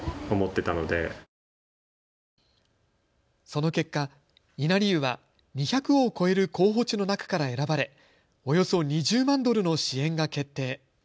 その結果、稲荷湯は２００を超える候補地の中から選ばれおよそ２０万ドルの支援が決定。